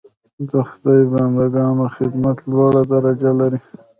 د خدای بنده ګانو خدمت لوړه درجه لري.